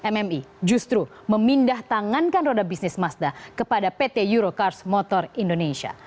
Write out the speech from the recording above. mmi justru memindah tangankan roda bisnis mazda kepada pt eurocars motor indonesia